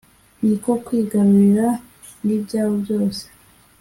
niko kwigarurira n'ibyabo byose.